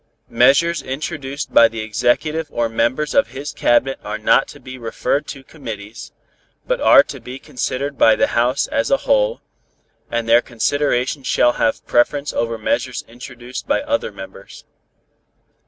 Measures introduced by the Executive or members of his Cabinet are not to be referred to committees, but are to be considered by the House as a whole, and their consideration shall have preference over measures introduced by other members.